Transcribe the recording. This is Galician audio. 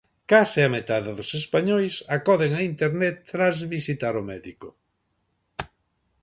Case a metade dos españois acoden a Internet tras visitar o médico.